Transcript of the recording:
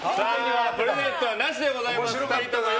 プレゼントはなしでございます。